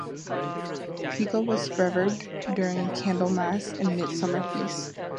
Peko was also revered during Candlemas and Midsummer feasts.